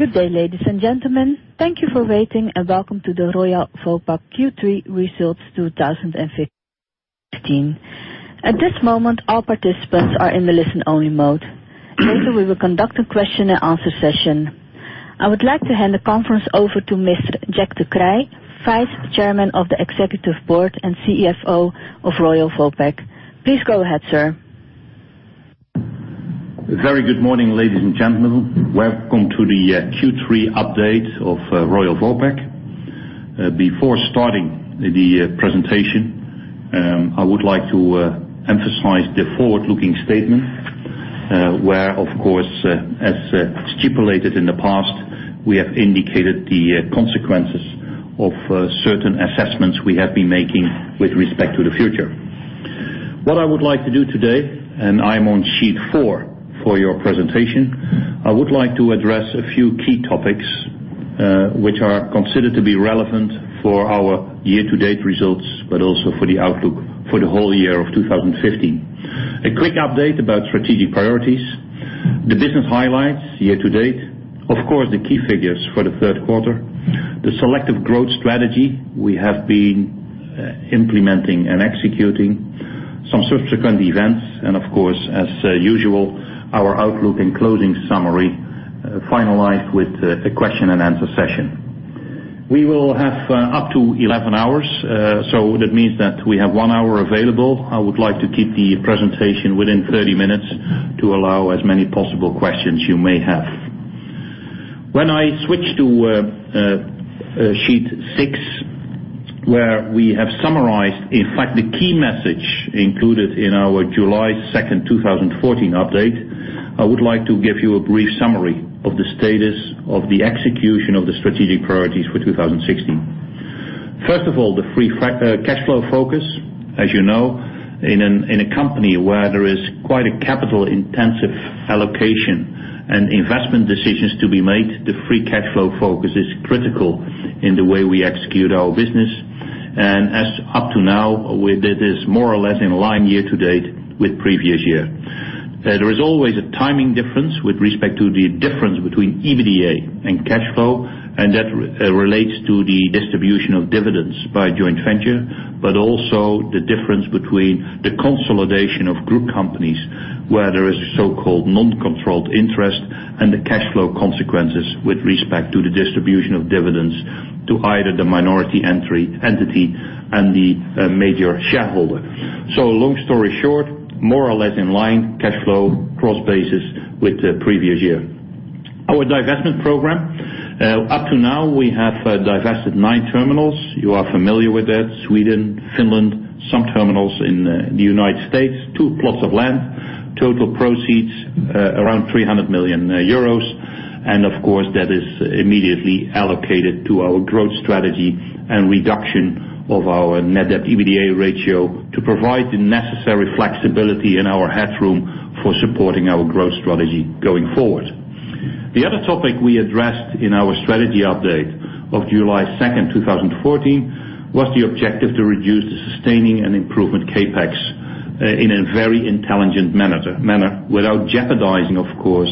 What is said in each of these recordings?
Good day, ladies and gentlemen. Thank you for waiting and welcome to the Royal Vopak Q3 Results 2015. At this moment, all participants are in listen-only mode. Later, we will conduct a question-and-answer session. I would like to hand the conference over to Mr. Jack de Kreij, Vice-Chairman of the Executive Board and CFO of Royal Vopak. Please go ahead, sir. Very good morning, ladies and gentlemen. Welcome to the Q3 update of Royal Vopak. Before starting the presentation, I would like to emphasize the forward-looking statement, where, of course, as stipulated in the past, we have indicated the consequences of certain assessments we have been making with respect to the future. What I would like to do today, and I'm on sheet four for your presentation, I would like to address a few key topics which are considered to be relevant for our year-to-date results, but also for the outlook for the whole year of 2015. A quick update about strategic priorities, the business highlights year-to-date, of course, the key figures for the third quarter, the selective growth strategy we have been implementing and executing, some subsequent events, and of course, as usual, our outlook and closing summary finalized with a question-and-answer session. We will have up to 11 hours, so that means that we have one hour available. I would like to keep the presentation within 30 minutes to allow as many possible questions you may have. When I switch to sheet six, where we have summarized, in fact, the key message included in our July 2nd, 2014 update, I would like to give you a brief summary of the status of the execution of the strategic priorities for 2016. First of all, the free cash flow focus. As you know, in a company where there is quite a capital intensive allocation and investment decisions to be made, the free cash flow focus is critical in the way we execute our business. As up to now, it is more or less in line year-to-date with previous year. There is always a timing difference with respect to the difference between EBITDA and cash flow, and that relates to the distribution of dividends by joint venture, but also the difference between the consolidation of group companies, where there is so-called non-controlling interest and the cash flow consequences with respect to the distribution of dividends to either the minority entity and the major shareholder. Long story short, more or less in line cash flow cross basis with the previous year. Our divestment program. Up to now, we have divested nine terminals. You are familiar with that. Sweden, Finland, some terminals in the U.S., two plots of land, total proceeds, around 300 million euros. Of course, that is immediately allocated to our growth strategy and reduction of our net debt EBITDA ratio to provide the necessary flexibility in our headroom for supporting our growth strategy going forward. The other topic we addressed in our strategy update of July 2nd, 2014, was the objective to reduce the sustaining and improvement CapEx in a very intelligent manner without jeopardizing, of course,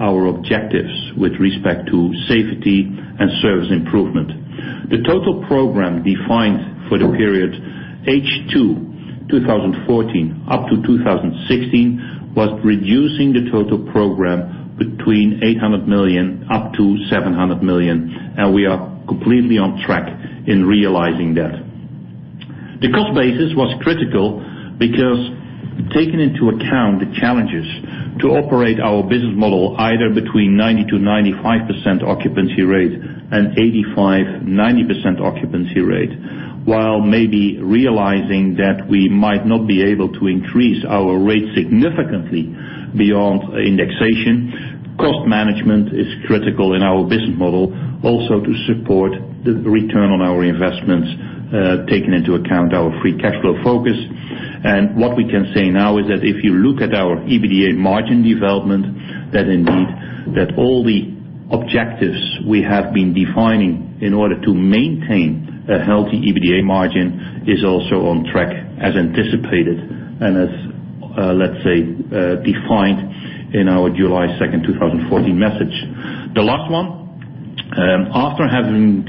our objectives with respect to safety and service improvement. The total program defined for the period H2, 2014 up to 2016, was reducing the total program between 800 million up to 700 million, and we are completely on track in realizing that. The cost basis was critical because taking into account the challenges to operate our business model, either between 90%-95% occupancy rate and 85%-90% occupancy rate, while maybe realizing that we might not be able to increase our rate significantly beyond indexation. Cost management is critical in our business model also to support the return on our investments, taking into account our free cash flow focus. What we can say now is that if you look at our EBITDA margin development, that indeed that all the objectives we have been defining in order to maintain a healthy EBITDA margin is also on track as anticipated and as, let's say, defined in our July 2nd, 2014 message. The last one. After having,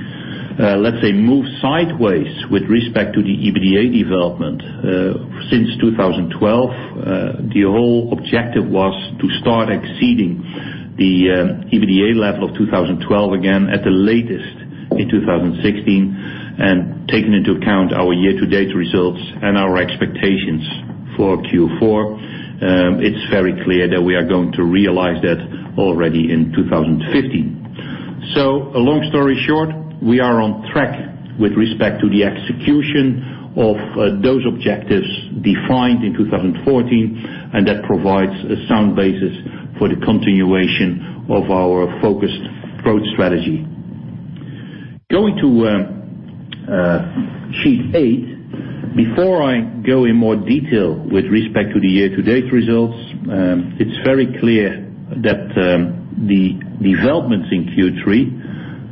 let's say, moved sideways with respect to the EBITDA development since 2012, the whole objective was to start exceeding the EBITDA level of 2012 again at the latest in 2016, and taking into account our year-to-date results and our expectations for Q4, it's very clear that we are going to realize that already in 2015. A long story short, we are on track with respect to the execution of those objectives defined in 2014, and that provides a sound basis for the continuation of our focused growth strategy. Going to sheet eight. Before I go in more detail with respect to the year-to-date results, it's very clear that the developments in Q3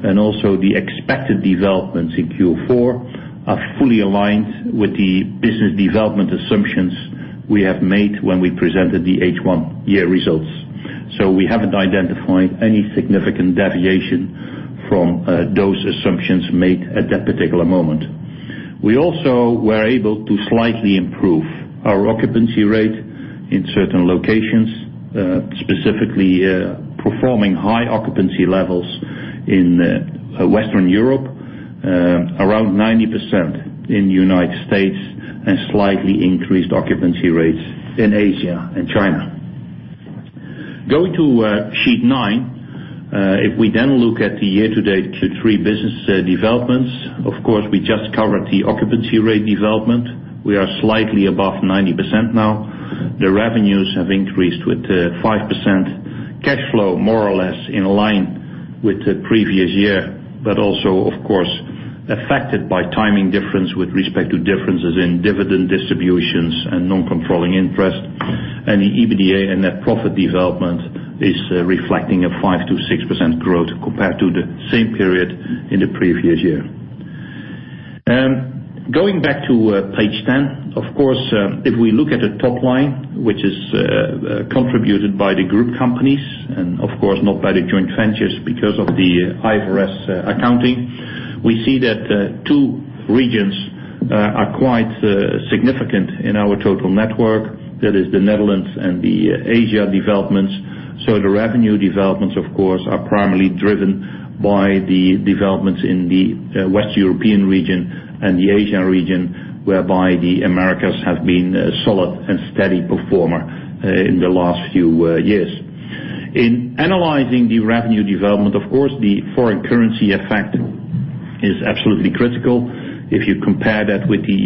and also the expected developments in Q4 are fully aligned with the business development assumptions We have made when we presented the H1 year results. We haven't identified any significant deviation from those assumptions made at that particular moment. We also were able to slightly improve our occupancy rate in certain locations, specifically performing high occupancy levels in Western Europe, around 90% in U.S., and slightly increased occupancy rates in Asia and China. Going to Sheet nine, if we then look at the year-to-date Q3 business developments, of course, we just covered the occupancy rate development. We are slightly above 90% now. The revenues have increased with 5%. Cash flow, more or less in line with the previous year, but also, of course, affected by timing difference with respect to differences in dividend distributions and non-controlling interest. The EBITDA and net profit development is reflecting a 5%-6% growth compared to the same period in the previous year. Going back to Page 10, of course, if we look at the top line, which is contributed by the group companies and, of course, not by the joint ventures because of the IFRS accounting, we see that two regions are quite significant in our total network, that is the Netherlands and the Asia developments. The revenue developments, of course, are primarily driven by the developments in the West European region and the Asian region, whereby the Americas have been a solid and steady performer in the last few years. In analyzing the revenue development, of course, the foreign currency effect is absolutely critical. If you compare that with the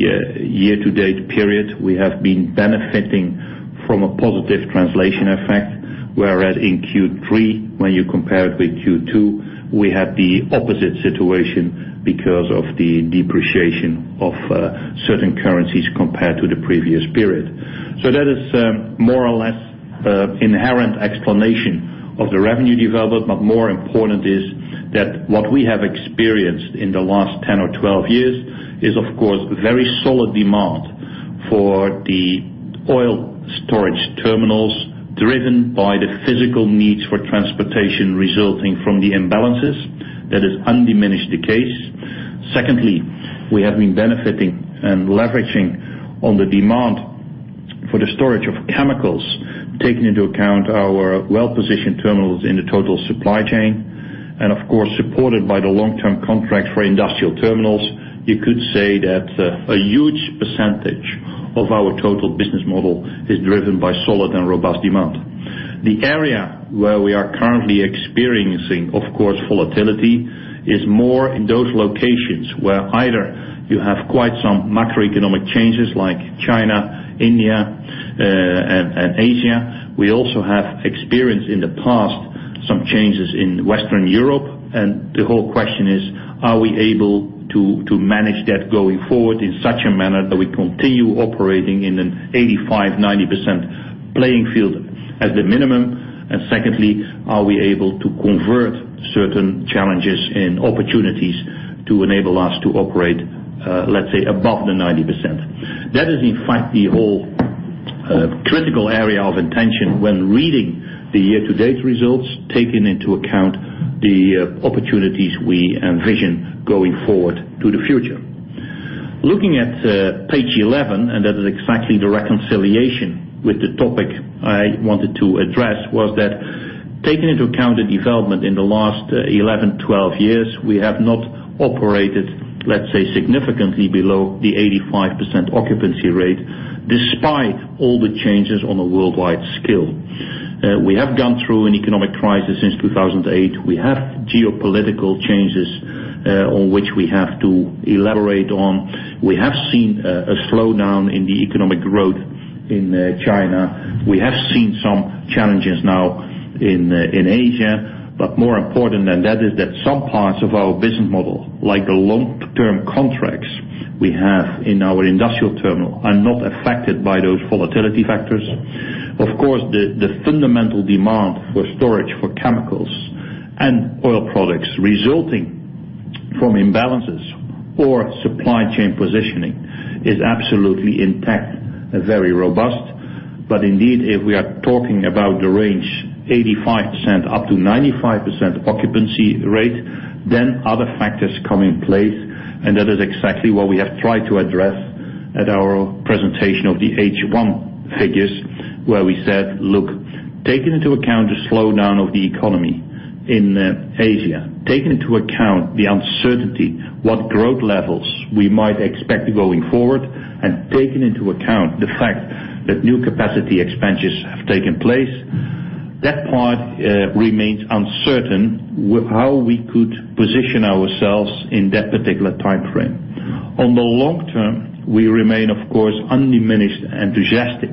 year-to-date period, we have been benefiting from a positive translation effect, whereas in Q3, when you compare it with Q2, we have the opposite situation because of the depreciation of certain currencies compared to the previous period. That is more or less inherent explanation of the revenue development, but more important is that what we have experienced in the last 10 or 12 years is, of course, very solid demand for the oil storage terminals driven by the physical needs for transportation resulting from the imbalances. That is undiminished the case. Secondly, we have been benefiting and leveraging on the demand for the storage of chemicals, taking into account our well-positioned terminals in the total supply chain and, of course, supported by the long-term contract for industrial terminals. You could say that a huge percentage of our total business model is driven by solid and robust demand. The area where we are currently experiencing, of course, volatility is more in those locations where either you have quite some macroeconomic changes like China, India, and Asia. We also have experienced in the past some changes in Western Europe. The whole question is: Are we able to manage that going forward in such a manner that we continue operating in an 85%-90% playing field at the minimum? Secondly, are we able to convert certain challenges and opportunities to enable us to operate, let's say, above the 90%? That is, in fact, the whole critical area of intention when reading the year-to-date results, taking into account the opportunities we envision going forward to the future. Looking at Page 11, that is exactly the reconciliation with the topic I wanted to address, was that taking into account the development in the last 11, 12 years, we have not operated, let's say, significantly below the 85% occupancy rate, despite all the changes on a worldwide scale. We have gone through an economic crisis since 2008. We have geopolitical changes on which we have to elaborate on. We have seen a slowdown in the economic growth in China. We have seen some challenges now in Asia. More important than that is that some parts of our business model, like the long-term contracts we have in our industrial terminal, are not affected by those volatility factors. Of course, the fundamental demand for storage for chemicals and oil products resulting from imbalances or supply chain positioning is absolutely intact and very robust. Indeed, if we are talking about the range 85%-95% occupancy rate, then other factors come in place, and that is exactly what we have tried to address at our presentation of the H1 figures, where we said, look, taking into account the slowdown of the economy in Asia, taking into account the uncertainty, what growth levels we might expect going forward, and taking into account the fact that new capacity expansions have taken place, that part remains uncertain how we could position ourselves in that particular timeframe. On the long term, we remain, of course, undiminished enthusiastic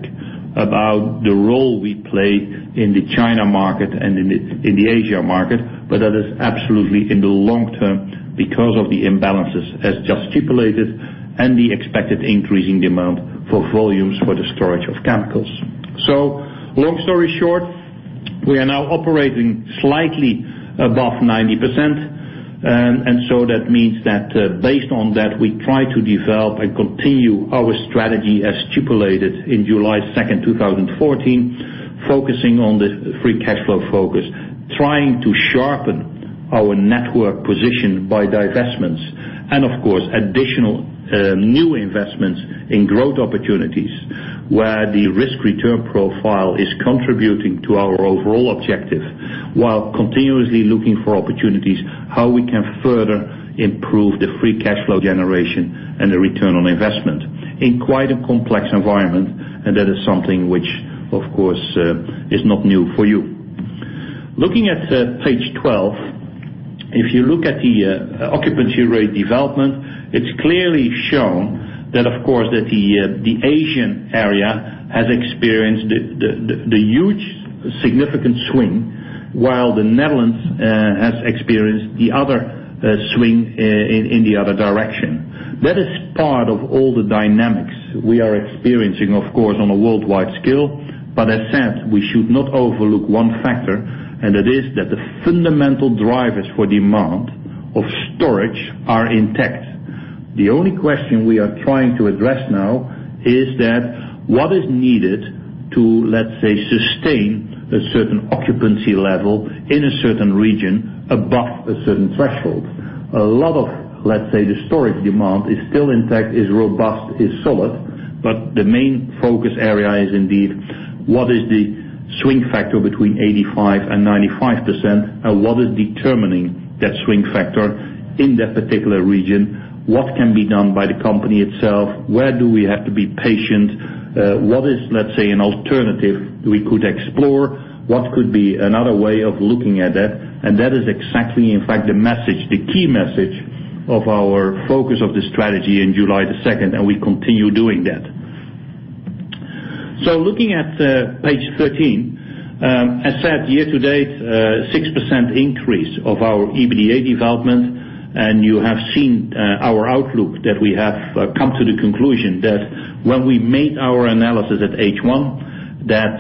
about the role we play in the China market and in the Asia market, that is absolutely in the long term because of the imbalances as just stipulated and the expected increasing demand for volumes for the storage of chemicals. Long story short. We are now operating slightly above 90%. That means that based on that, we try to develop and continue our strategy as stipulated in July 2, 2014, focusing on the free cash flow focus. Trying to sharpen our network position by divestments and of course, additional new investments in growth opportunities, where the risk-return profile is contributing to our overall objective, while continuously looking for opportunities, how we can further improve the free cash flow generation and the return on investment in quite a complex environment. That is something which, of course, is not new for you. Looking at page 12, if you look at the occupancy rate development, it is clearly shown that, of course, that the Asian area has experienced the huge significant swing, while the Netherlands has experienced the other swing in the other direction. That is part of all the dynamics we are experiencing, of course, on a worldwide scale. As said, we should not overlook one factor, and it is that the fundamental drivers for demand of storage are intact. The only question we are trying to address now is that what is needed to, let's say, sustain a certain occupancy level in a certain region above a certain threshold? A lot of, let's say, the storage demand is still intact, is robust, is solid, but the main focus area is indeed what is the swing factor between 85% and 95%? And what is determining that swing factor in that particular region? What can be done by the company itself? Where do we have to be patient? What is, let's say, an alternative we could explore? What could be another way of looking at that? That is exactly, in fact, the message, the key message of our focus of the strategy in July the 2nd, and we continue doing that. Looking at page 13, as said, year-to-date, 6% increase of our EBITDA development, and you have seen our outlook that we have come to the conclusion that when we made our analysis at H1, that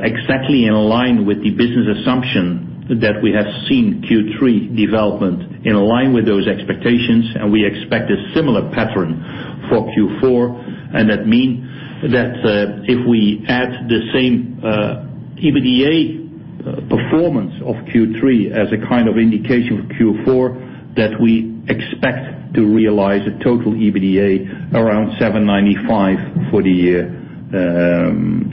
exactly in line with the business assumption that we have seen Q3 development in line with those expectations, and we expect a similar pattern for Q4. That means that if we add the same EBITDA performance of Q3 as a kind of indication for Q4, that we expect to realize a total EBITDA around 795 for the year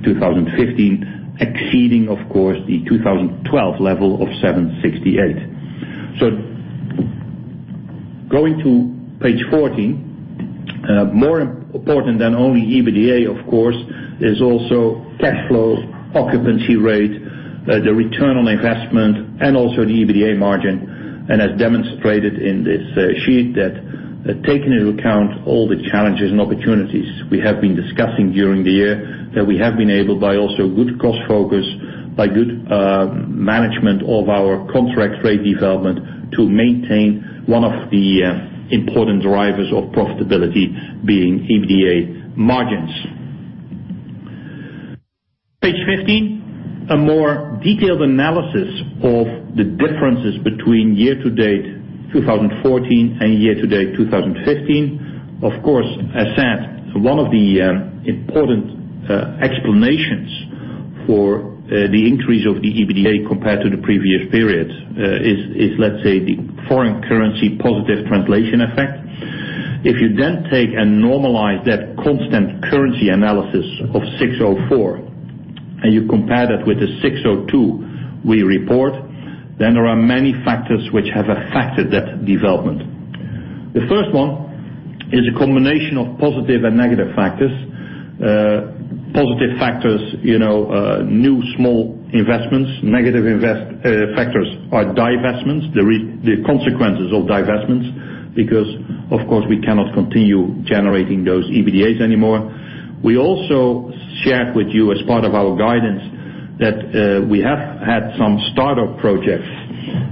2015, exceeding, of course, the 2012 level of 768. Going to page 14, more important than only EBITDA, of course, is also cash flow, occupancy rate, the return on investment, and also the EBITDA margin. As demonstrated in this sheet that taking into account all the challenges and opportunities we have been discussing during the year, that we have been able by also good cost focus, by good management of our contract rate development to maintain one of the important drivers of profitability being EBITDA margins. Page 15, a more detailed analysis of the differences between year-to-date 2014 and year-to-date 2015. Of course, as said, one of the important explanations for the increase of the EBITDA compared to the previous periods is, let's say, the foreign currency positive translation effect. If you take and normalize that constant currency analysis of 604, and you compare that with the 602 we report, there are many factors which have affected that development. The first one is a combination of positive and negative factors. Positive factors, new small investments. Negative factors are divestments. The consequences of divestments because, of course, we cannot continue generating those EBITDAs anymore. We also shared with you as part of our guidance that we have had some startup projects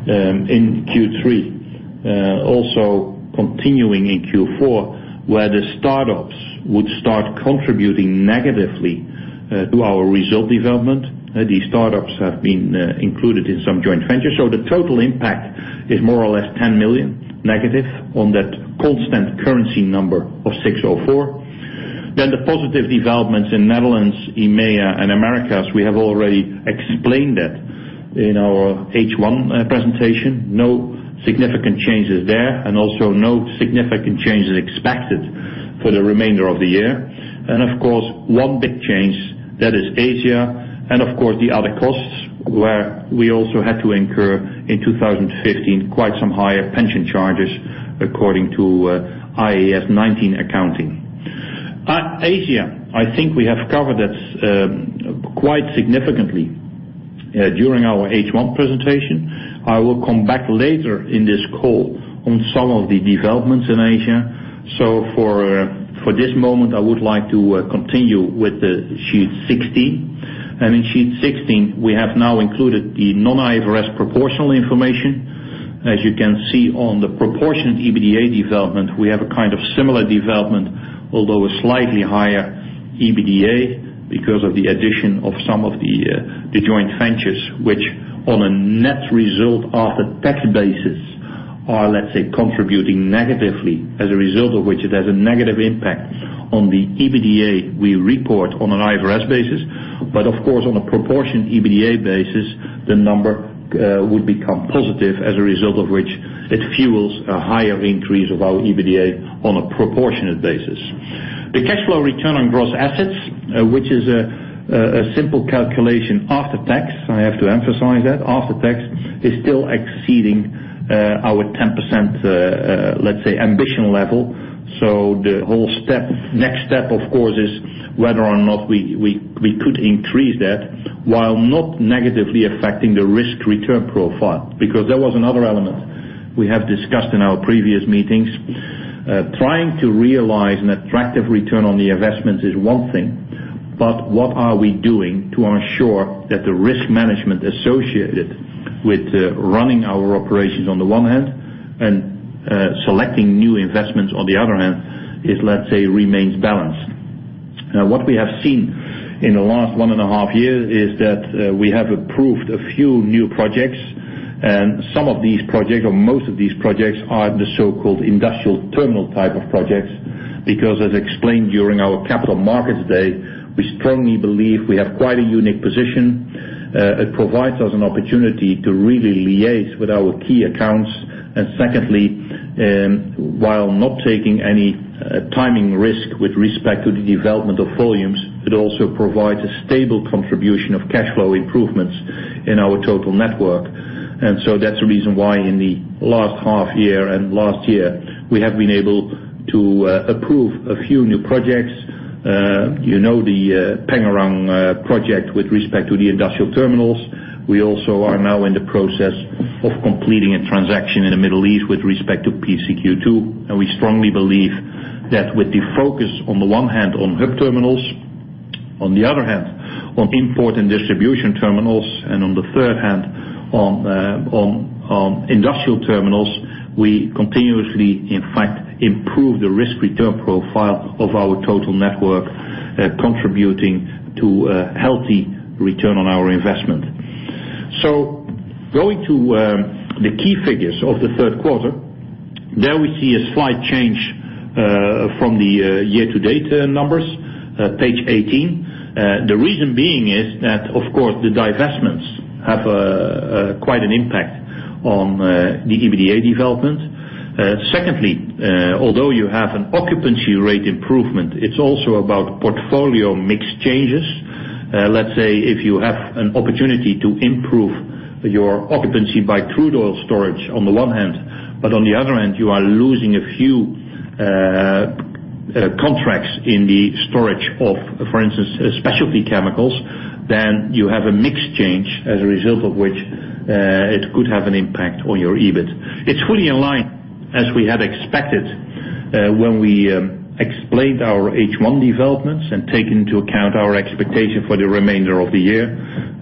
in Q3, also continuing in Q4, where the startups would start contributing negatively to our result development. These startups have been included in some joint ventures. The total impact is more or less 10 million negative on that constant currency number of 604. The positive developments in Netherlands, EMEA, and Americas, we have already explained that in our H1 presentation. No significant changes there, also no significant changes expected for the remainder of the year. Of course, one big change, that is Asia, of course, the other costs where we also had to incur in 2015, quite some higher pension charges according to IAS 19 accounting. Asia, I think we have covered that quite significantly during our H1 presentation. I will come back later in this call on some of the developments in Asia. For this moment, I would like to continue with the sheet 16. In sheet 16, we have now included the non-IFRS proportional information. As you can see on the proportionate EBITDA development, we have a kind of similar development, although a slightly higher EBITDA because of the addition of some of the joint ventures which on a net result after tax basis are, let's say, contributing negatively, as a result of which it has a negative impact on the EBITDA we report on an IFRS basis. Of course, on a proportionate EBITDA basis, the number would become positive, as a result of which it fuels a higher increase of our EBITDA on a proportionate basis. The Cash Flow Return on gross assets, which is a simple calculation after tax, I have to emphasize that, after tax, is still exceeding our 10%, let's say, ambition level. The whole next step, of course, is whether or not we could increase that while not negatively affecting the risk-return profile. That was another element we have discussed in our previous meetings. Trying to realize an attractive return on the investments is one thing, but what are we doing to ensure that the risk management associated with running our operations on the one hand, and selecting new investments on the other hand, let's say, remains balanced? What we have seen in the last one and a half years is that we have approved a few new projects, some of these projects, or most of these projects, are the so-called industrial terminal type of projects. As explained during our Capital Markets Day, we strongly believe we have quite a unique position. It provides us an opportunity to really liaise with our key accounts. Secondly, while not taking any timing risk with respect to the development of volumes, it also provides a stable contribution of cash flow improvements in our total network. That's the reason why in the last half year and last year, we have been able to approve a few new projects. You know, the Pengerang project with respect to the industrial terminals. We also are now in the process of completing a transaction in the Middle East with respect to PCQ2. We strongly believe that with the focus on the one hand on hub terminals, on the other hand on import and distribution terminals, and on the third hand on industrial terminals, we continuously in fact improve the risk return profile of our total network, contributing to a healthy return on our investment. Going to the key figures of the third quarter. There we see a slight change from the year-to-date numbers, page 18. The reason being is that, of course, the divestments have quite an impact on the EBITDA development. Secondly, although you have an occupancy rate improvement, it's also about portfolio mix changes. Let's say if you have an opportunity to improve your occupancy by crude oil storage on the one hand, but on the other hand, you are losing a few contracts in the storage of, for instance, specialty chemicals, then you have a mix change. As a result of which it could have an impact on your EBIT. It's fully in line as we had expected when we explained our H1 developments and take into account our expectation for the remainder of the year.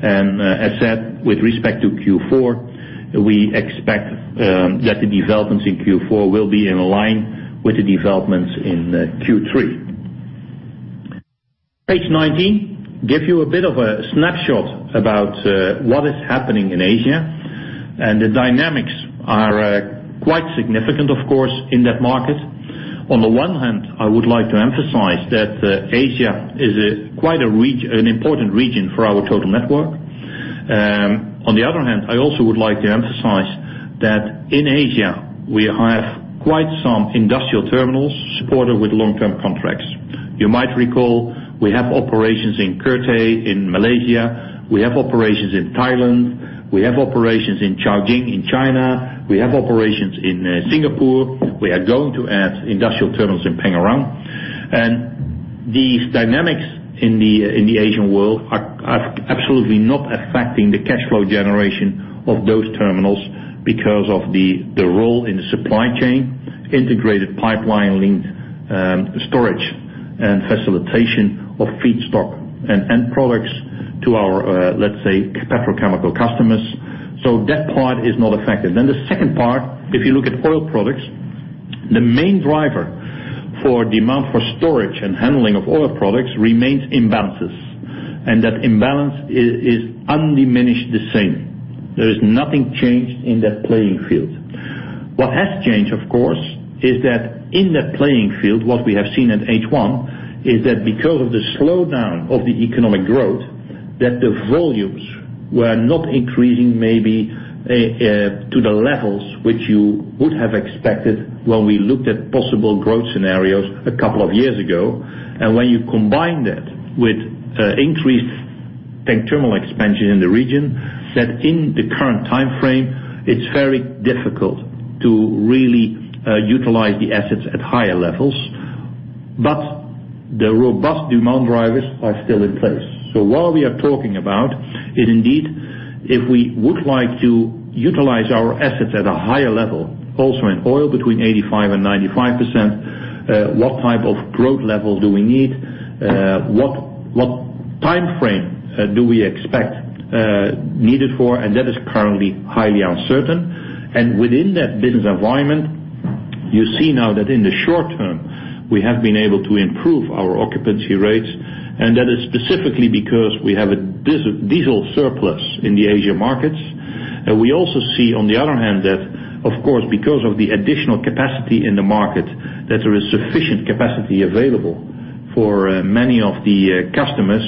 As said with respect to Q4, we expect that the developments in Q4 will be in line with the developments in Q3. Page 19 give you a bit of a snapshot about what is happening in Asia, and the dynamics are quite significant, of course, in that market. On the one hand, I would like to emphasize that Asia is quite an important region for our total network. On the other hand, I also would like to emphasize that in Asia we have quite some industrial terminals supported with long-term contracts. You might recall we have operations in Kertih in Malaysia, we have operations in Thailand, we have operations in Caojing in China, we have operations in Singapore. We are going to add industrial terminals in Pengerang. These dynamics in the Asian world are absolutely not affecting the cash flow generation of those terminals because of the role in the supply chain, integrated pipeline linked storage, and facilitation of feedstock and end products to our, let's say, petrochemical customers. That part is not affected. The second part, if you look at oil products, the main driver for demand for storage and handling of oil products remains imbalances. That imbalance is undiminished the same. There is nothing changed in that playing field. What has changed, of course, is that in that playing field, what we have seen at H1 is that because of the slowdown of the economic growth, that the volumes were not increasing maybe to the levels which you would have expected when we looked at possible growth scenarios a couple of years ago. When you combine that with increased tank terminal expansion in the region, that in the current time frame it's very difficult to really utilize the assets at higher levels. The robust demand drivers are still in place. What we are talking about is indeed if we would like to utilize our assets at a higher level, also in oil between 85% and 95%, what type of growth level do we need? What time frame do we expect needed for? That is currently highly uncertain. Within that business environment, we see now that in the short term, we have been able to improve our occupancy rates, and that is specifically because we have a diesel surplus in the Asia markets. We also see on the other hand that, of course, because of the additional capacity in the market, there is sufficient capacity available for many of the customers.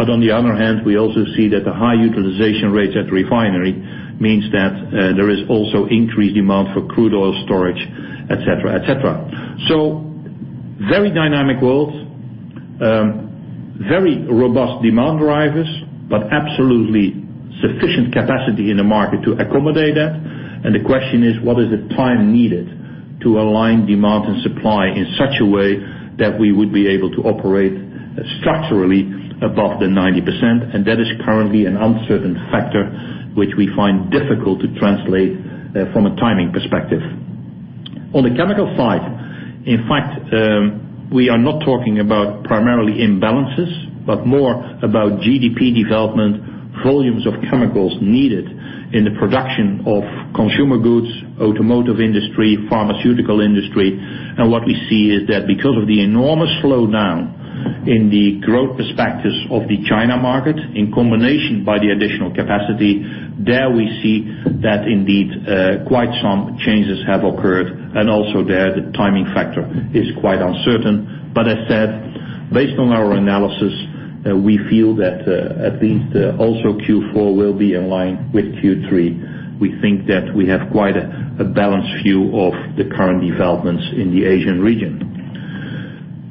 On the other hand, we also see that the high utilization rates at refinery means that there is also increased demand for crude oil storage, et cetera. Very dynamic world, very robust demand drivers, but absolutely sufficient capacity in the market to accommodate that. The question is, what is the time needed to align demand and supply in such a way that we would be able to operate structurally above the 90%? That is currently an uncertain factor, which we find difficult to translate from a timing perspective. On the chemical side, in fact, we are not talking about primarily imbalances, but more about GDP development, volumes of chemicals needed in the production of consumer goods, automotive industry, pharmaceutical industry. What we see is that because of the enormous slowdown in the growth prospectus of the China market, in combination by the additional capacity there, we see that indeed, quite some changes have occurred. Also there, the timing factor is quite uncertain. As said, based on our analysis, we feel that at least also Q4 will be in line with Q3. We think that we have quite a balanced view of the current developments in the Asian region.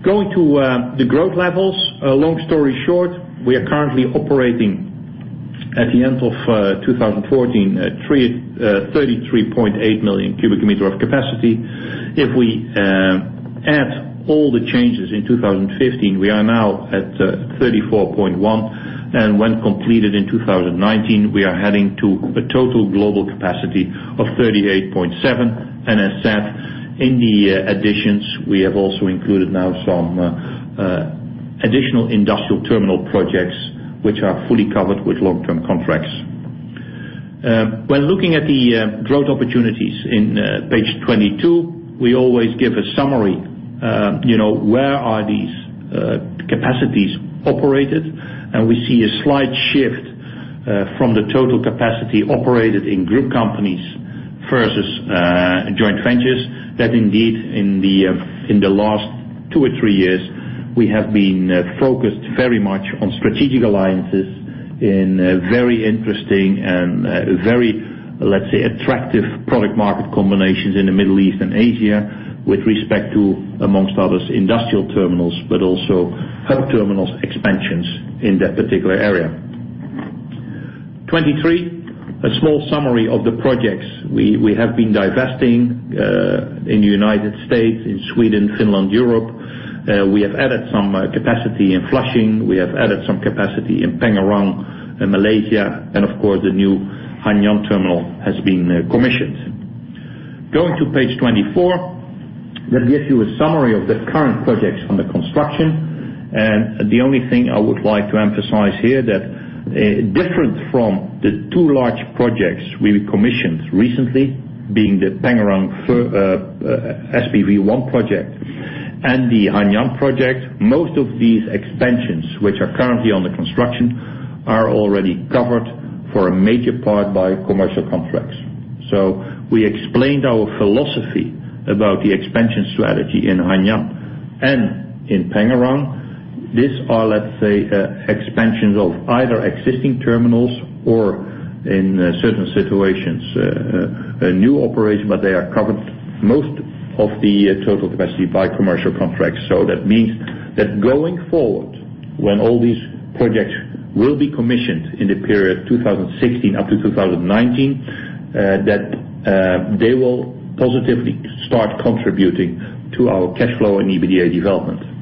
Going to the growth levels. Long story short, we are currently operating at the end of 2014 at 33.8 million cubic meters of capacity. If we add all the changes in 2015, we are now at 34.1. When completed in 2019, we are heading to a total global capacity of 38.7. As said, in the additions, we have also included now some additional industrial terminal projects which are fully covered with long-term contracts. When looking at the growth opportunities on page 22, we always give a summary. Where are these capacities operated? We see a slight shift from the total capacity operated in group companies versus joint ventures. That indeed in the last two or three years, we have been focused very much on strategic alliances in very interesting and very, let's say, attractive product market combinations in the Middle East and Asia with respect to, amongst others, industrial terminals, but also hub terminals expansions in that particular area. 23, a small summary of the projects. We have been divesting in the U.S., in Sweden, Finland, Europe. We have added some capacity in Flushing. We have added some capacity in Pengerang, in Malaysia, and of course, the new Hanyang terminal has been commissioned. Going to page 24, that gives you a summary of the current projects under construction. The only thing I would like to emphasize here that different from the two large projects we commissioned recently, being the Pengerang SPV 1 project and the Hanyang project. Most of these expansions, which are currently under construction, are already covered for a major part by commercial contracts. We explained our philosophy about the expansion strategy in Hanyang and in Pengerang. These are, let's say, expansions of either existing terminals or in certain situations, a new operation, but they are covered most of the total capacity by commercial contracts. That means that going forward, when all these projects will be commissioned in the period 2016 up to 2019, that they will positively start contributing to our cash flow and EBITDA development.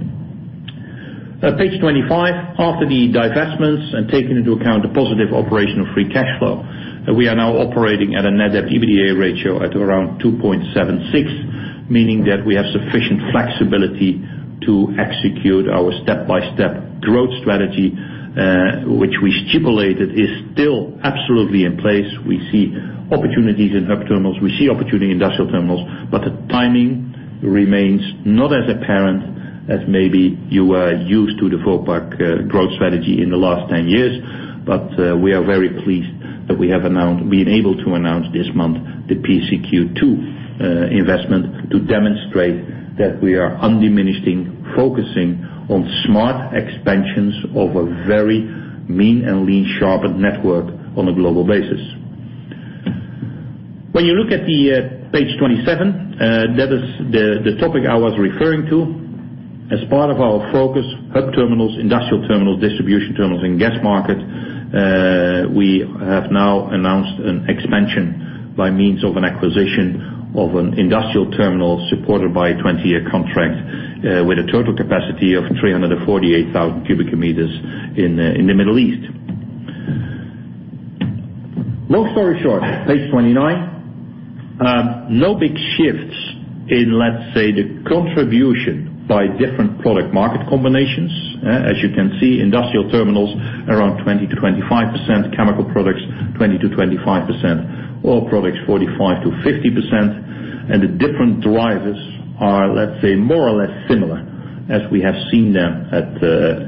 Page 25, after the divestments and taking into account the positive operational free cash flow, we are now operating at a net debt to EBITDA ratio at around 2.76, meaning that we have sufficient flexibility to execute our step-by-step growth strategy, which we stipulated is still absolutely in place. We see opportunities in hub terminals, we see opportunity in industrial terminals, but the timing remains not as apparent as maybe you are used to the Vopak growth strategy in the last 10 years. We are very pleased that we have been able to announce this month the PCQ2 investment to demonstrate that we are undiminishing, focusing on smart expansions of a very mean and lean sharpened network on a global basis. When you look at page 27, that is the topic I was referring to. As part of our focus, hub terminals, industrial terminals, distribution terminals in gas market, we have now announced an expansion by means of an acquisition of an industrial terminal supported by a 20-year contract with a total capacity of 348,000 cubic meters in the Middle East. Long story short, page 29. No big shifts in, let's say, the contribution by different product market combinations. As you can see, industrial terminals around 20%-25%, chemical products 20%-25%, oil products 45%-50%. And the different drivers are, let's say, more or less similar As we have seen them at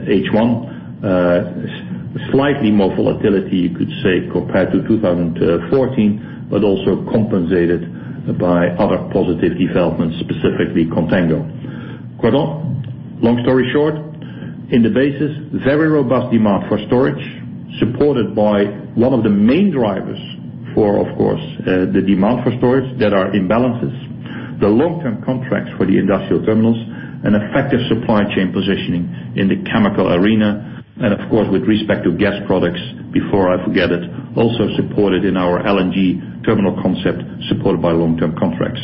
H1, slightly more volatility, you could say, compared to 2014, but also compensated by other positive developments, specifically contango. Long story short, in the basis, very robust demand for storage, supported by one of the main drivers for, of course, the demand for storage that are imbalances. The long-term contracts for the industrial terminals and effective supply chain positioning in the chemical arena. Of course, with respect to gas products, before I forget it, also supported in our LNG terminal concept, supported by long-term contracts.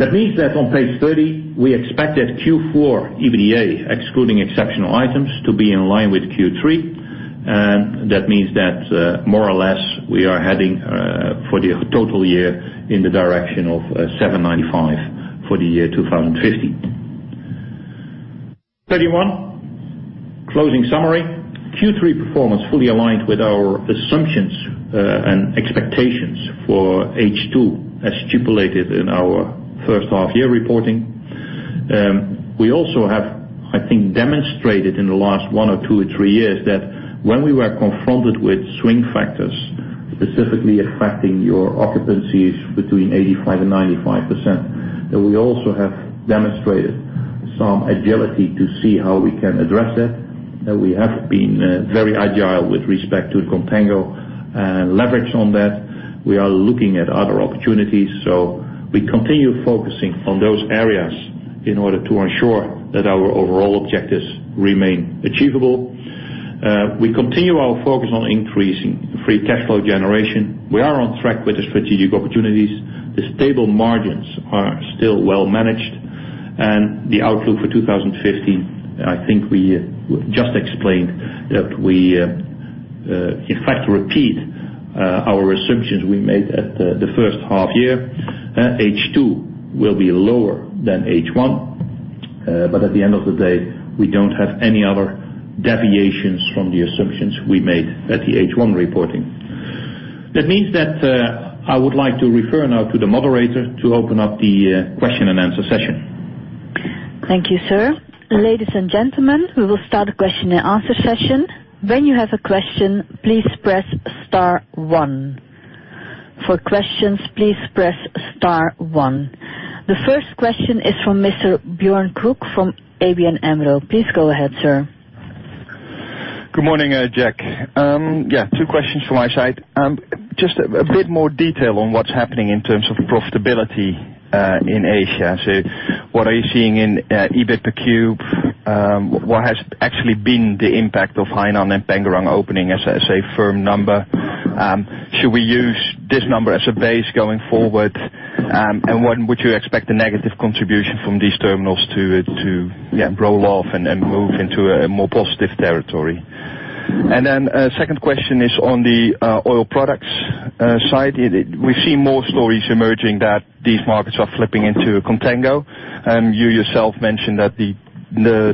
On page 30, we expected Q4 EBITDA, excluding exceptional items, to be in line with Q3. That means that more or less we are heading for the total year in the direction of 795 for the year 2015. 31, closing summary. Q3 performance fully aligned with our assumptions and expectations for H2 as stipulated in our first half year reporting. We also have, I think, demonstrated in the last one or two or three years that when we were confronted with swing factors, specifically affecting your occupancies between 85%-95%, that we also have demonstrated some agility to see how we can address that we have been very agile with respect to contango and leverage on that. We are looking at other opportunities. We continue focusing on those areas in order to ensure that our overall objectives remain achievable. We continue our focus on increasing free cash flow generation. We are on track with the strategic opportunities. The stable margins are still well managed. The outlook for 2015, I think we just explained that we, in fact, repeat our assumptions we made at the first half year. H2 will be lower than H1. At the end of the day, we don't have any other deviations from the assumptions we made at the H1 reporting. That means that I would like to refer now to the moderator to open up the question and answer session. Thank you, sir. Ladies and gentlemen, we will start the question and answer session. When you have a question, please press star one. For questions, please press star one. The first question is from Mr. Björn Krook from ABN AMRO. Please go ahead, sir. Good morning, Jack. Two questions from my side. Just a bit more detail on what's happening in terms of profitability in Asia. What are you seeing in EBIT per cube? What has actually been the impact of Hainan and Pengerang opening as a firm number? Should we use this number as a base going forward? When would you expect a negative contribution from these terminals to roll off and move into a more positive territory? The second question is on the oil products side. We've seen more stories emerging that these markets are flipping into contango. You yourself mentioned that the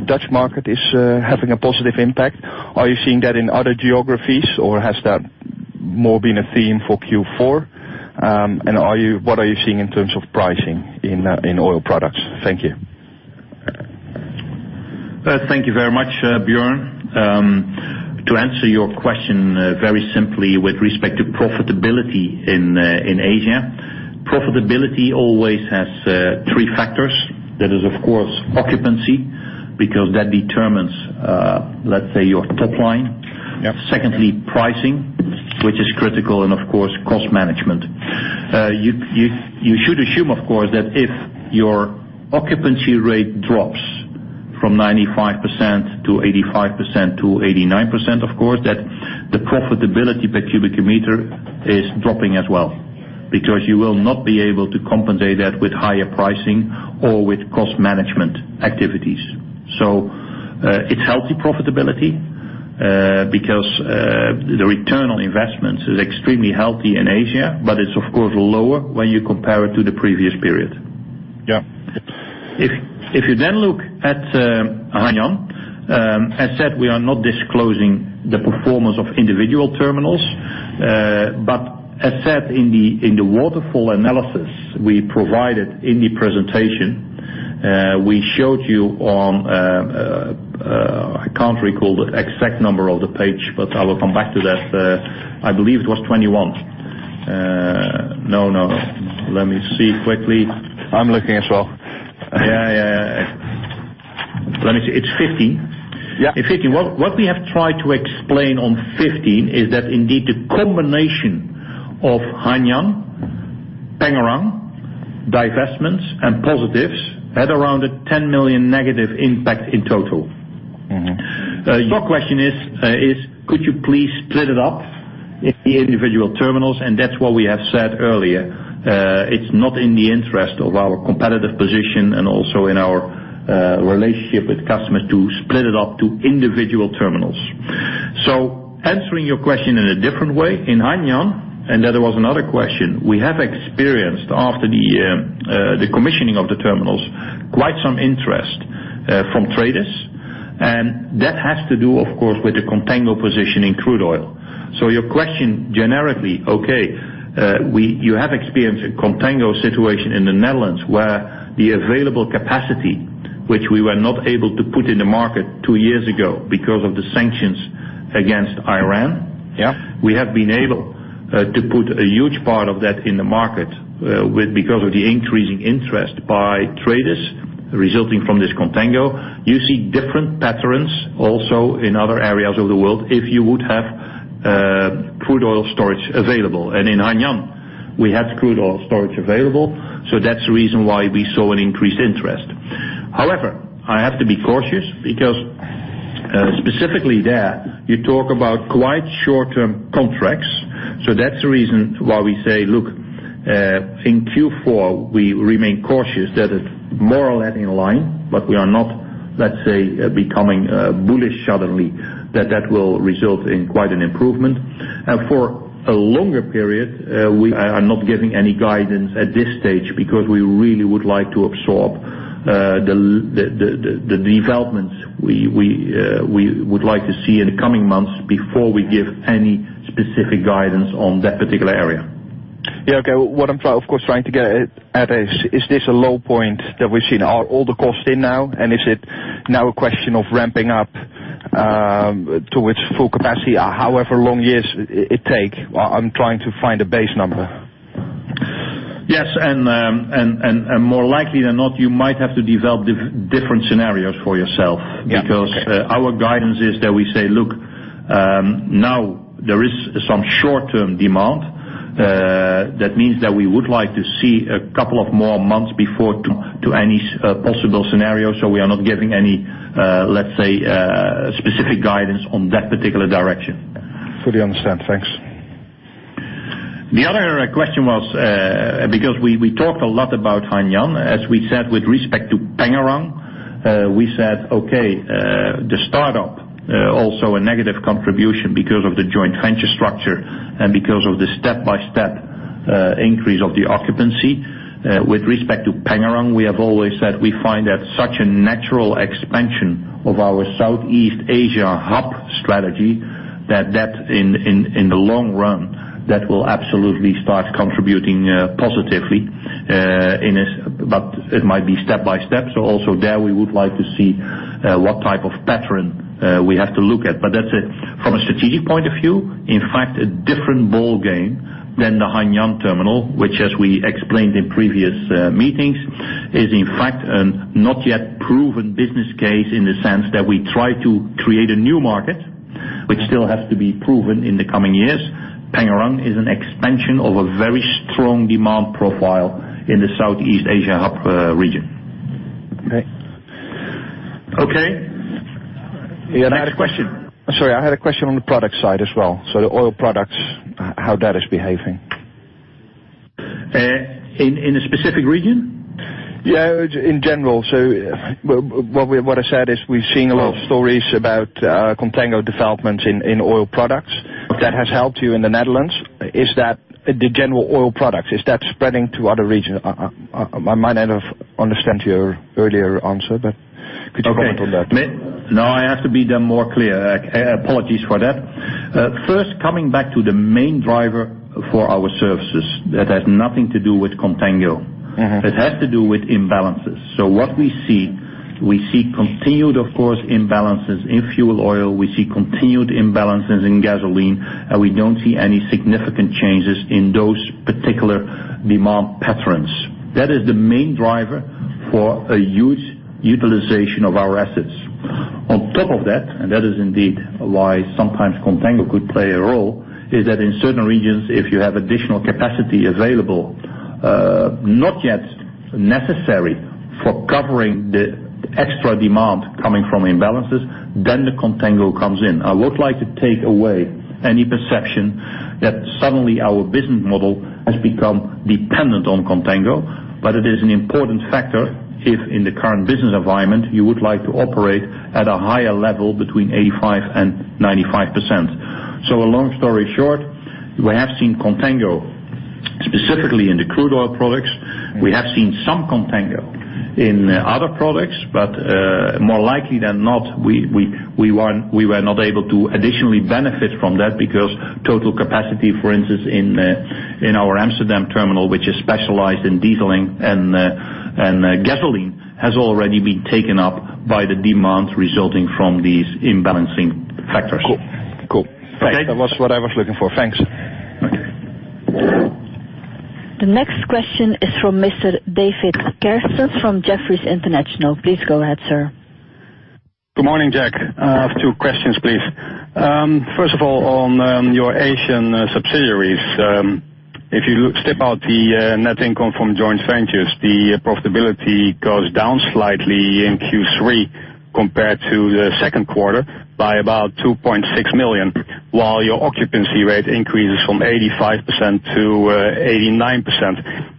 Dutch market is having a positive impact. Are you seeing that in other geographies, or has that more been a theme for Q4? What are you seeing in terms of pricing in oil products? Thank you. Thank you very much, Björn. To answer your question very simply with respect to profitability in Asia. Profitability always has three factors. That is, of course, occupancy, because that determines, let's say, your top line. Yeah. Secondly, pricing, which is critical, and of course, cost management. You should assume, of course, that if your occupancy rate drops from 95% to 85% to 89%, of course, that the profitability per cubic meter is dropping as well, because you will not be able to compensate that with higher pricing or with cost management activities. It's healthy profitability because the return on investments is extremely healthy in Asia, but it's of course lower when you compare it to the previous period. Yeah. You then look at Hainan, as said, we are not disclosing the performance of individual terminals. As said in the waterfall analysis we provided in the presentation, we showed you on, I can't recall the exact number of the page, but I will come back to that. I believe it was 21. Let me see quickly. I'm looking as well. It's 15. Yeah. In 2015, what we have tried to explain on 2015 is that indeed the combination of Hainan, Pengerang, divestments, and positives had around a 10 million negative impact in total. Your question is, could you please split it up in the individual terminals? That's what we have said earlier. It's not in the interest of our competitive position and also in our relationship with customers to split it up to individual terminals. Answering your question in a different way, in Hainan, and that there was another question, we have experienced, after the commissioning of the terminals, quite some interest from traders. That has to do, of course, with the contango position in crude oil. Your question generically, okay, you have experienced a contango situation in the Netherlands where the available capacity, which we were not able to put in the market two years ago because of the sanctions against Iran. Yes. We have been able to put a huge part of that in the market because of the increasing interest by traders resulting from this contango. You see different patterns also in other areas of the world. If you would have crude oil storage available. In Hainan, we had crude oil storage available, so that's the reason why we saw an increased interest. However, I have to be cautious because specifically there, you talk about quite short-term contracts. That's the reason why we say, look, in Q4, we remain cautious that it's more or less in line, but we are not, let's say, becoming bullish suddenly, that that will result in quite an improvement. For a longer period, we are not giving any guidance at this stage because we really would like to absorb the developments we would like to see in the coming months before we give any specific guidance on that particular area. Okay. What I'm, of course, trying to get at is this a low point that we've seen? Are all the costs in now, and is it now a question of ramping up to its full capacity however long years it take? I'm trying to find a base number. Yes. More likely than not, you might have to develop different scenarios for yourself because our guidance is that we say, look, now there is some short-term demand. That means that we would like to see a couple of more months before to any possible scenario. We are not giving any, let's say, specific guidance on that particular direction. Fully understand. Thanks. The other question was, because we talked a lot about Hainan, as we said with respect to Pengerang, we said, okay, the startup also a negative contribution because of the joint venture structure and because of the step-by-step increase of the occupancy. With respect to Pengerang, we have always said we find that such a natural expansion of our Southeast Asia hub strategy, that in the long run, that will absolutely start contributing positively. It might be step by step. Also there we would like to see what type of pattern we have to look at. That's, from a strategic point of view, in fact, a different ballgame than the Hainan terminal, which as we explained in previous meetings, is in fact a not yet proven business case in the sense that we try to create a new market, which still has to be proven in the coming years. Pengerang is an expansion of a very strong demand profile in the Southeast Asia hub region. Okay. Okay. Next question. Sorry, I had a question on the product side as well. The oil products, how that is behaving. In a specific region? In general. What I said is we've seen a lot of stories about contango developments in oil products that has helped you in the Netherlands. Is that spreading to other regions? I might not have understood your earlier answer, could you comment on that? Okay. No, I have to be more clear. Apologies for that. First, coming back to the main driver for our services, that has nothing to do with contango. It has to do with imbalances. What we see, we see continued, of course, imbalances in fuel oil. We see continued imbalances in gasoline, we don't see any significant changes in those particular demand patterns. That is the main driver for a huge utilization of our assets. On top of that, and that is indeed why sometimes contango could play a role, is that in certain regions, if you have additional capacity available, not yet necessary for covering the extra demand coming from imbalances, then the contango comes in. I would like to take away any perception that suddenly our business model has become dependent on contango, but it is an important factor if in the current business environment you would like to operate at a higher level between 85%-95%. A long story short, we have seen contango specifically in the crude oil products. We have seen some contango in other products, more likely than not, we were not able to additionally benefit from that because total capacity, for instance, in our Amsterdam terminal, which is specialized in diesel and gasoline, has already been taken up by the demand resulting from these imbalancing factors. Cool. Okay. That was what I was looking for. Thanks. Okay. The next question is from Mr. David Kerstens from Jefferies International. Please go ahead, sir. Good morning, Jack. I have two questions, please. First of all, on your Asian subsidiaries, if you strip out the net income from joint ventures, the profitability goes down slightly in Q3 compared to the second quarter by about 2.6 million, while your occupancy rate increases from 85%-89%.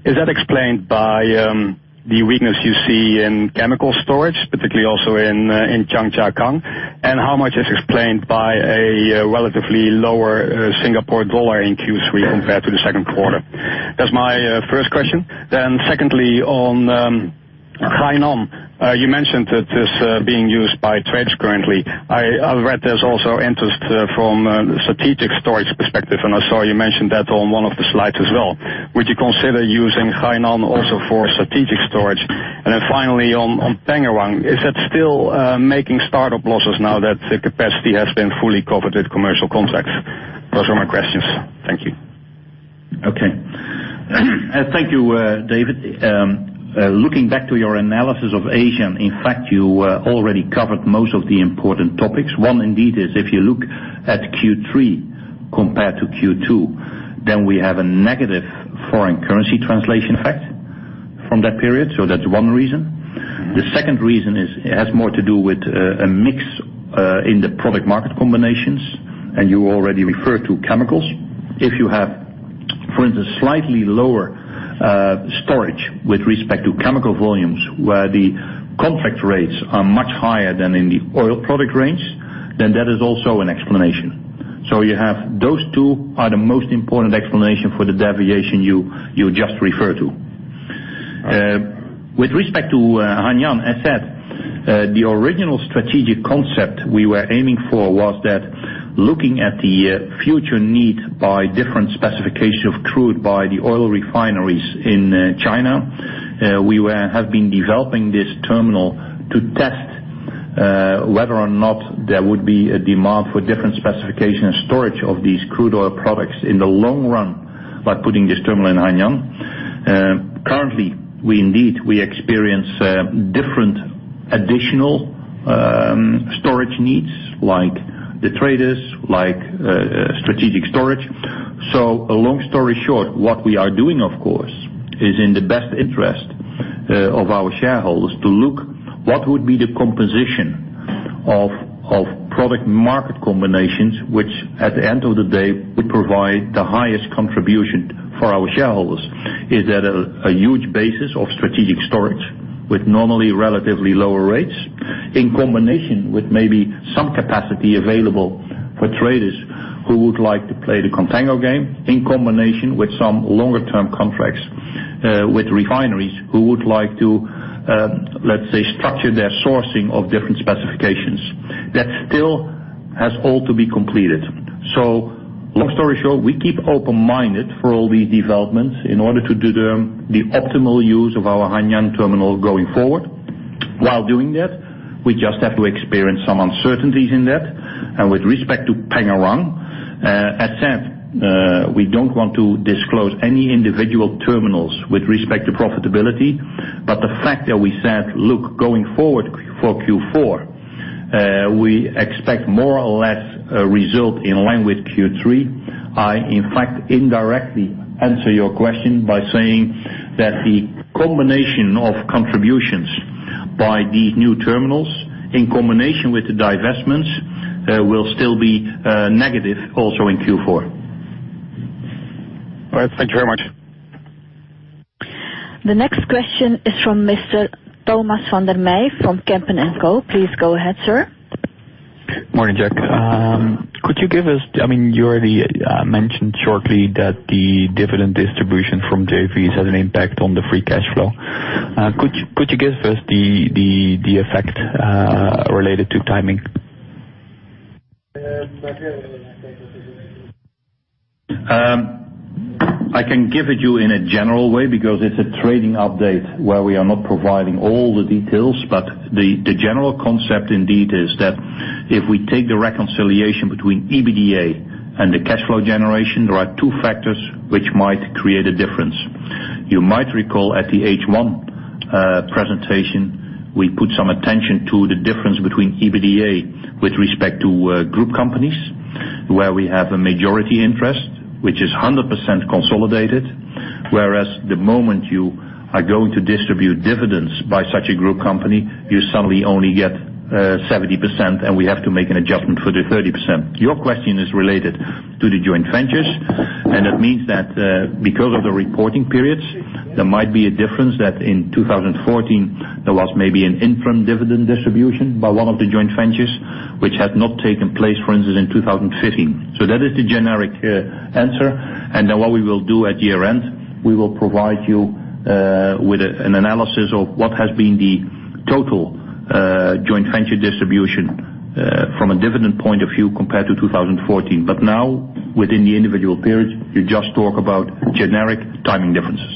Is that explained by the weakness you see in chemical storage, particularly also in Zhangjiagang? How much is explained by a relatively lower Singapore dollar in Q3 compared to the second quarter? That's my first question. Secondly, on Hainan. You mentioned that this being used by trades currently. I've read there's also interest from strategic storage perspective, and I saw you mentioned that on one of the slides as well. Would you consider using Hainan also for strategic storage? Finally on Pengerang, is that still making start-up losses now that the capacity has been fully covered with commercial contracts? Those are my questions. Thank you. Thank you, David. Looking back to your analysis of Asia, in fact, you already covered most of the important topics. One indeed is if you look at Q3 compared to Q2, we have a negative foreign currency translation effect from that period. That's one reason. The second reason has more to do with a mix in the product market combinations. You already referred to chemicals. If you have, for instance, slightly lower storage with respect to chemical volumes, where the contract rates are much higher than in the oil product range, that is also an explanation. You have those two are the most important explanation for the deviation you just referred to. With respect to Hainan, as said, the original strategic concept we were aiming for was that looking at the future need by different specifications of crude by the oil refineries in China, we have been developing this terminal to test whether or not there would be a demand for different specification and storage of these crude oil products in the long run by putting this terminal in Hainan. Currently, we indeed experience different additional storage needs like the traders, like strategic storage. A long story short, what we are doing, of course, is in the best interest of our shareholders to look what would be the composition of product market combinations, which at the end of the day would provide the highest contribution for our shareholders. Is that a huge basis of strategic storage with normally relatively lower rates in combination with maybe some capacity available for traders who would like to play the contango game, in combination with some longer term contracts with refineries, who would like to, let's say, structure their sourcing of different specifications. That still has all to be completed. Long story short, we keep open-minded for all these developments in order to do the optimal use of our Hainan terminal going forward. While doing that, we just have to experience some uncertainties in that. With respect to Pengerang, as said, we don't want to disclose any individual terminals with respect to profitability. The fact that we said, look, going forward for Q4, we expect more or less a result in line with Q3. I, in fact, indirectly answer your question by saying that the combination of contributions by these new terminals, in combination with the divestments, will still be negative also in Q4. All right. Thank you very much. The next question is from Mr. Thomas van der Meij from Kempen & Co. Please go ahead, sir. Morning, Jack. You already mentioned shortly that the dividend distribution from JVs has an impact on the free cash flow. Could you give us the effect related to timing? I can give it you in a general way because it's a trading update where we are not providing all the details, but the general concept indeed is that if we take the reconciliation between EBITDA and the cash flow generation, there are two factors which might create a difference. You might recall at the H1 presentation, we put some attention to the difference between EBITDA with respect to group companies, where we have a majority interest, which is 100% consolidated. Whereas the moment you are going to distribute dividends by such a group company, you suddenly only get 70% and we have to make an adjustment for the 30%. Your question is related to the joint ventures, it means that because of the reporting periods, there might be a difference that in 2014, there was maybe an interim dividend distribution by one of the joint ventures which had not taken place, for instance, in 2015. That is the generic answer. Then what we will do at year-end, we will provide you with an analysis of what has been the total joint venture distribution from a dividend point of view compared to 2014. Now within the individual periods, you just talk about generic timing differences.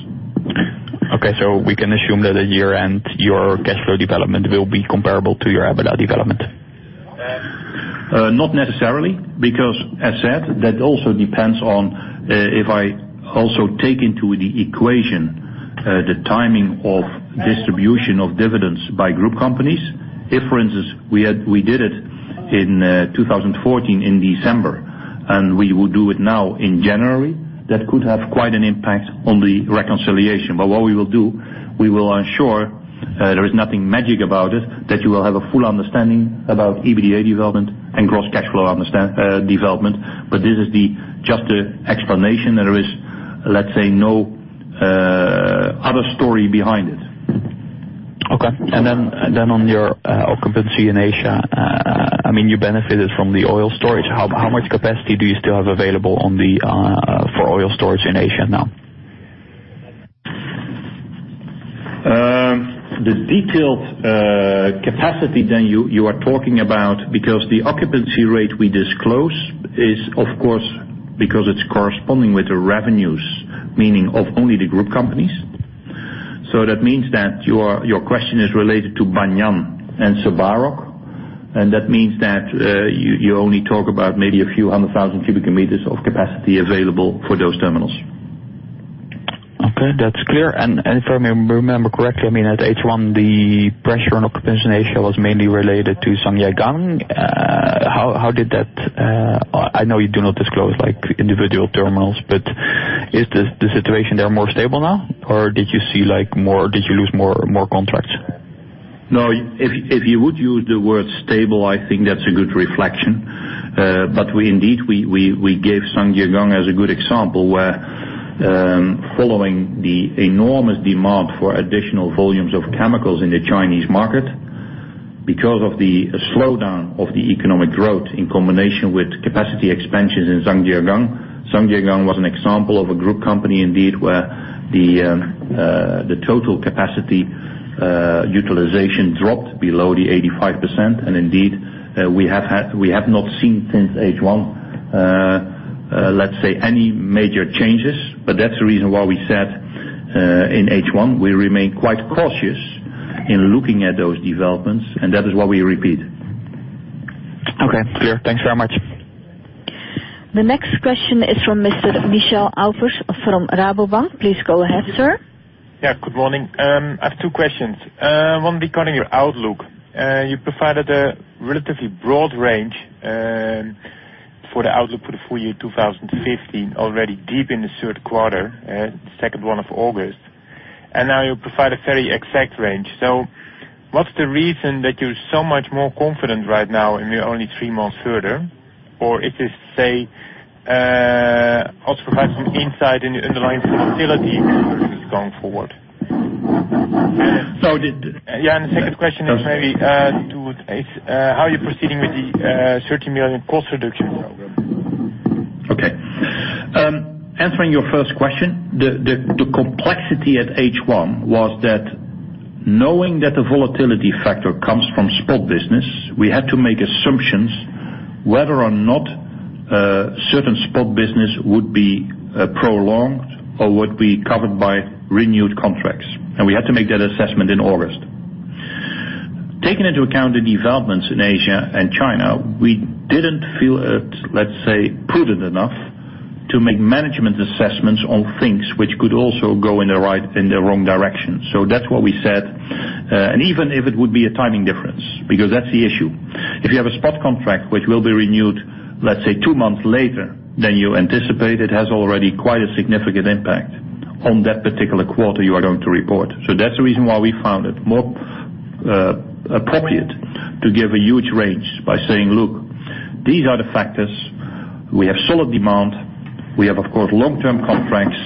Okay. We can assume that at year-end, your cash flow development will be comparable to your EBITDA development? Not necessarily, because as said, that also depends on if I also take into the equation the timing of distribution of dividends by group companies. If, for instance, we did it in 2014 in December, we would do it now in January, that could have quite an impact on the reconciliation. What we will do, we will ensure there is nothing magic about it, that you will have a full understanding about EBITDA development and gross cash flow development. This is just the explanation. There is, let's say, no other story behind it. Okay. Then on your occupancy in Asia, you benefited from the oil storage. How much capacity do you still have available for oil storage in Asia now? The detailed capacity you are talking about, because the occupancy rate we disclose is, because it's corresponding with the revenues, meaning of only the group companies. That means that your question is related to Banyan and Sebarok, and that means that you only talk about maybe a few 100,000 cubic meters of capacity available for those terminals. Okay. That's clear. If I remember correctly, at H1, the pressure on occupancy rate was mainly related to Zhangjiagang. I know you do not disclose individual terminals, is the situation there more stable now, or did you lose more contracts? No, if you would use the word stable, I think that's a good reflection. Indeed, we gave Zhangjiagang as a good example where, following the enormous demand for additional volumes of chemicals in the Chinese market, because of the slowdown of the economic growth in combination with capacity expansions in Zhangjiagang. Zhangjiagang was an example of a group company indeed, where the total capacity utilization dropped below the 85%. Indeed, we have not seen since H1 any major changes. That's the reason why we said in H1, we remain quite cautious in looking at those developments, and that is what we repeat. Okay, clear. Thanks very much. The next question is from Mr. Michel Alfers from Rabobank. Please go ahead, sir. Yeah, good morning. I have two questions. One regarding your outlook. You provided a relatively broad range for the outlook for the full year 2015, already deep in the third quarter, the second one of August. Now you provide a very exact range. What's the reason that you're so much more confident right now and you're only three months further? If you say, also provide some insight in the underlying volatility going forward. So the- Yeah, the second question is. How are you proceeding with the 30 million cost reduction program? Okay. Answering your first question, the complexity at H1 was that knowing that the volatility factor comes from spot business, we had to make assumptions whether or not certain spot business would be prolonged or would be covered by renewed contracts. We had to make that assessment in August. Taking into account the developments in Asia and China, we didn't feel it prudent enough to make management assessments on things which could also go in the wrong direction. That's what we said. Even if it would be a timing difference, because that's the issue. If you have a spot contract which will be renewed, let's say, two months later than you anticipated, it has already quite a significant impact on that particular quarter you are going to report. That's the reason why we found it more appropriate to give a huge range by saying, "Look, these are the factors. We have solid demand. We have, of course, long-term contracts,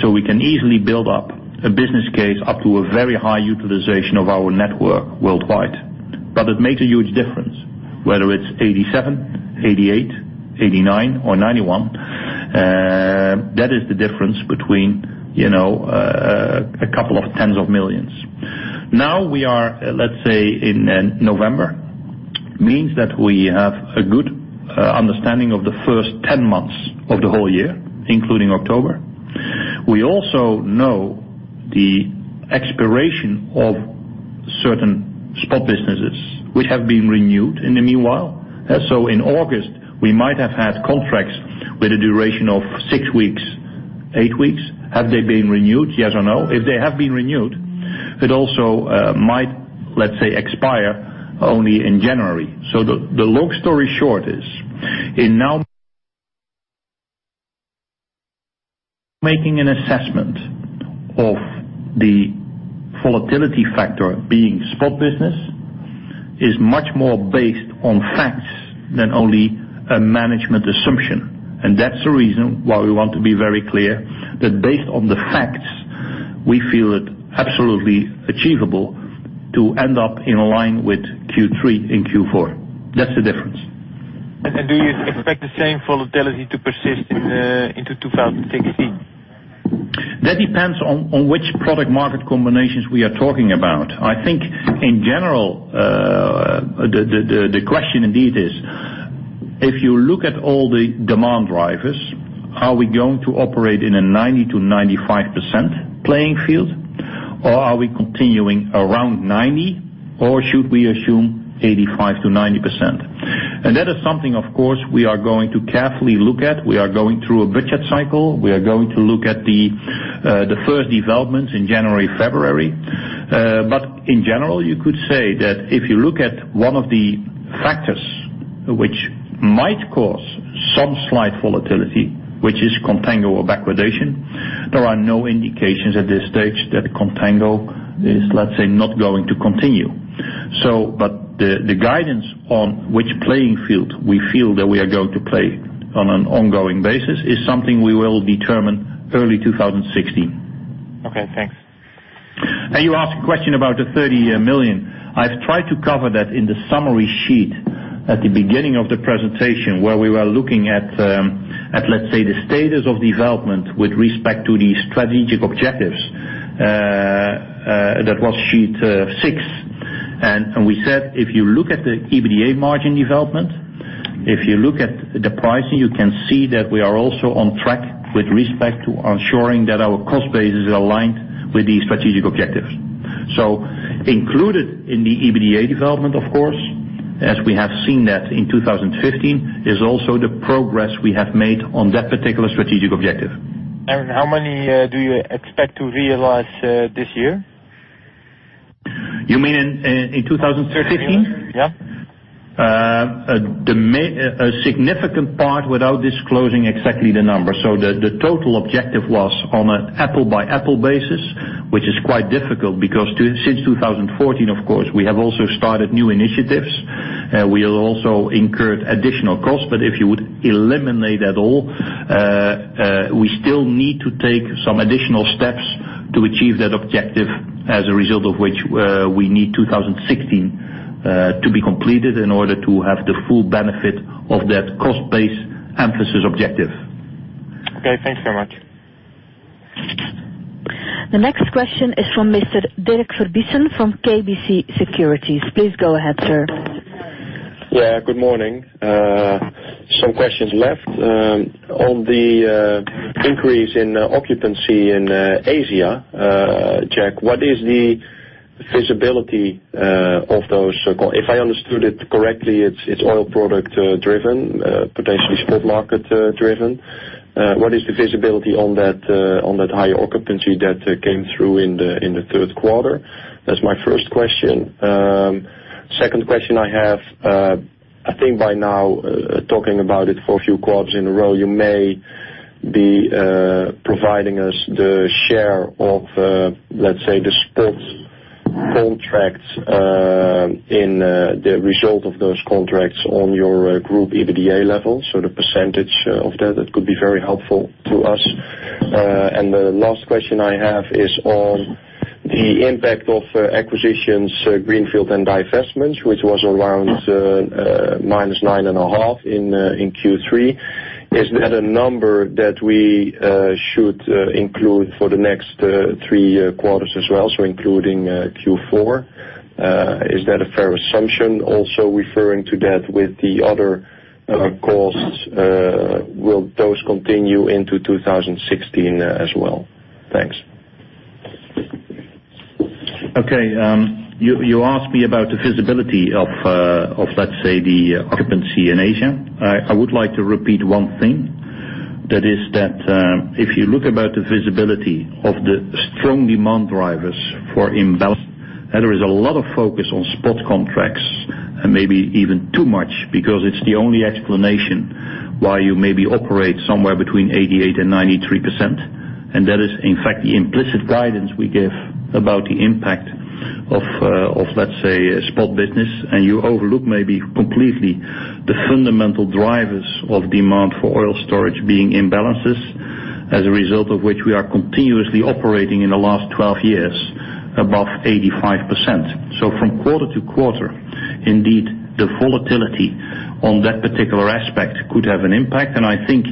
so we can easily build up a business case up to a very high utilization of our network worldwide." It makes a huge difference whether it's 87%, 88%, 89% or 91%. That is the difference between a couple of tens of millions EUR. We are in November, means that we have a good understanding of the first 10 months of the whole year, including October. We also know the expiration of certain spot businesses which have been renewed in the meanwhile. In August, we might have had contracts with a duration of six weeks, eight weeks. Have they been renewed? Yes or no? If they have been renewed, it also might expire only in January. The long story short is, in now making an assessment of the volatility factor being spot business, is much more based on facts than only a management assumption. That's the reason why we want to be very clear that based on the facts, we feel it absolutely achievable to end up in line with Q3 and Q4. That's the difference. Do you expect the same volatility to persist into 2016? That depends on which product market combinations we are talking about. I think in general, the question indeed is, if you look at all the demand drivers, are we going to operate in a 90%-95% playing field, or are we continuing around 90%, or should we assume 85%-90%? That is something, of course, we are going to carefully look at. We are going through a budget cycle. We are going to look at the first developments in January, February. In general, you could say that if you look at one of the factors which might cause some slight volatility, which is contango or backwardation, there are no indications at this stage that contango is not going to continue. The guidance on which playing field we feel that we are going to play on an ongoing basis is something we will determine early 2016. Okay, thanks. You asked a question about the 30 million. I've tried to cover that in the summary sheet. At the beginning of the presentation, where we were looking at the status of development with respect to the strategic objectives, that was sheet six. We said, if you look at the EBITDA margin development, if you look at the pricing, you can see that we are also on track with respect to ensuring that our cost base is aligned with these strategic objectives. Included in the EBITDA development, of course, as we have seen that in 2015, is also the progress we have made on that particular strategic objective. Jack, how many do you expect to realize this year? You mean in 2015? Yes. A significant part without disclosing exactly the numbers. The total objective was on an apple-by-apple basis, which is quite difficult because since 2014, of course, we have also started new initiatives. We have also incurred additional costs. If you would eliminate that all, we still need to take some additional steps to achieve that objective, as a result of which we need 2016 to be completed in order to have the full benefit of that cost base emphasis objective. Okay, thanks very much. The next question is from Mr. Dirk Verbiesen from KBC Securities. Please go ahead, sir. Good morning. Some questions left. On the increase in occupancy in Asia, Jack, what is the visibility of those? If I understood it correctly, it's oil product driven, potentially spot market driven. What is the visibility on that higher occupancy that came through in the third quarter? That's my first question. Second question I have, I think by now, talking about it for a few quarters in a row, you may be providing us the share of, let's say, the spot contracts in the result of those contracts on your group EBITDA level. The percentage of that could be very helpful to us. The last question I have is on the impact of acquisitions, greenfield and divestments, which was around minus nine and a half in Q3. Is that a number that we should include for the next three quarters as well, so including Q4? Is that a fair assumption also referring to that with the other costs? Will those continue into 2016 as well? Thanks. You asked me about the visibility of, let's say, the occupancy in Asia. I would like to repeat one thing. That is that if you look about the visibility of the strong demand drivers for imbalance, there is a lot of focus on spot contracts, and maybe even too much, because it's the only explanation why you maybe operate somewhere between 88% and 93%. That is in fact the implicit guidance we give about the impact of, let's say, spot business. You overlook maybe completely the fundamental drivers of demand for oil storage being imbalances, as a result of which we are continuously operating in the last 12 years above 85%. From quarter to quarter, indeed, the volatility on that particular aspect could have an impact. I think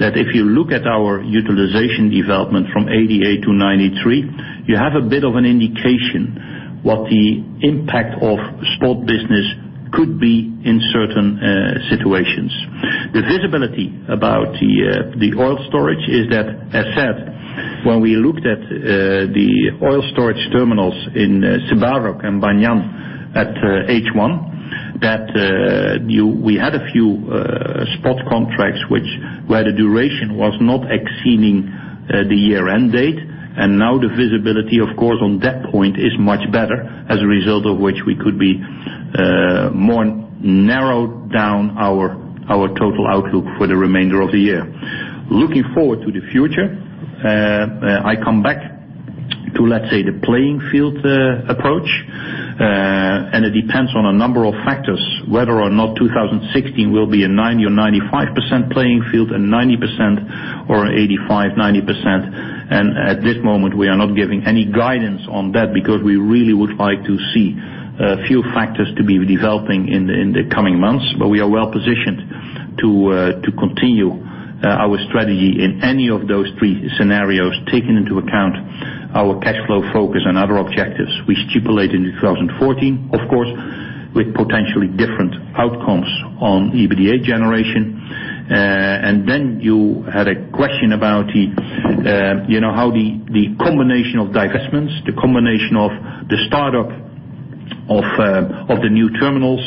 that if you look at our utilization development from 88 to 93, you have a bit of an indication what the impact of spot business could be in certain situations. The visibility about the oil storage is that, as said, when we looked at the oil storage terminals in Sebarok and Banyan at H1, that we had a few spot contracts where the duration was not exceeding the year-end date. Now the visibility, of course, on that point is much better, as a result of which we could be more narrowed down our total outlook for the remainder of the year. Looking forward to the future, I come back to the playing field approach. It depends on a number of factors, whether or not 2016 will be a 90% or 95% playing field, a 90% or 85%, 90%. At this moment, we are not giving any guidance on that because we really would like to see a few factors to be developing in the coming months. We are well positioned to continue our strategy in any of those three scenarios, taking into account our cash flow focus and other objectives we stipulated in 2014, of course, with potentially different outcomes on EBITDA generation. You had a question about how the combination of divestments, the combination of the startup of the new terminals,